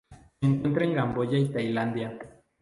Se encuentra en Camboya y Tailandia.